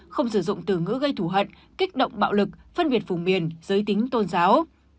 không sử dụng từ ngữ gây thủ hận kích động bạo lực phân biệt vùng miền giới tính tôn giáo